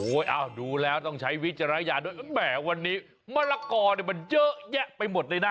เอาดูแล้วต้องใช้วิจารณญาณด้วยแหมวันนี้มะละกอเนี่ยมันเยอะแยะไปหมดเลยนะ